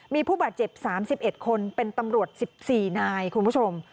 มีผู้บาดเจ็บ๓๑คนเป็นตำรวจ๑๔นายคุณผู้ชม